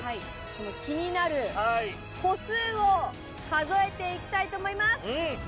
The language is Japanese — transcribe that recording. その気になる個数を数えていきたいと思います。